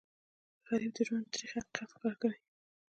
غریب د ژوند تریخ حقیقت ښکاره کوي